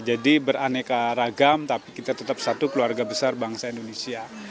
jadi beraneka ragam tapi kita tetap satu keluarga besar bangsa indonesia